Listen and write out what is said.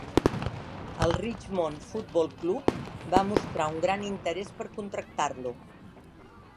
El Richmond Football Club va mostrar un gran interès per contractar-lo.